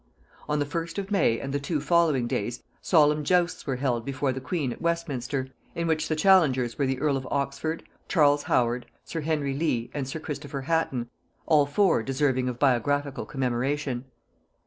On the first of May and the two following days solemn justs were held before the queen at Westminster; in which the challengers were the earl of Oxford, Charles Howard, sir Henry Lee and sir Christopher Hatton, all four deserving of biographical commemoration.